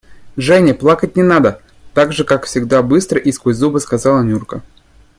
– Женя, плакать не надо! – так же, как всегда, быстро и сквозь зубы сказала Нюрка.